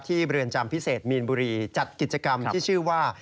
เรือนจำพิเศษมีนบุรีจัดกิจกรรมที่ชื่อว่า